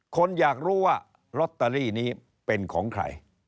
คนอยากรู้ว่าลอตเตอรี่นี้เป็นของใคร